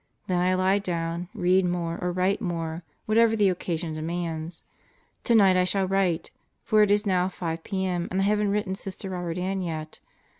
Then I lie down, read more or write more, whatever the occasion demands. Tonight I shall write; for it is now 5 p.m. and I haven't written Sister Robert Ann yet.